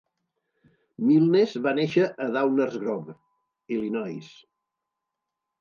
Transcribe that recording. Milnes va néixer a Downers Grove, Illinois.